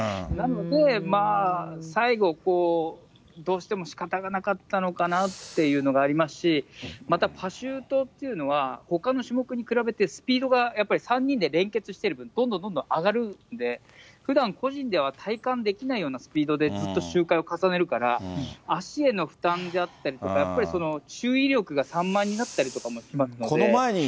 なので、最後、どうしてもしかたがなかったのかなっていうのがありますし、また、パシュートというのは、ほかの種目に比べて、スピードがやっぱり３人で連結してる分、どんどんどんどん上がるんで、ふだん、個人では体感できないようなスピードでずっと周回を重ねるから、足への負担であったりとか、やっぱり注意力が散漫になったりとかもしますので。